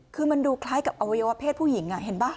คือมันดูคล้ายกับอวัยวะเพศผู้หญิงเห็นป่ะ